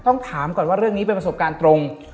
ต้องถามก่อนว่าเรื่องนี้เป็นประสบการณ์ตรง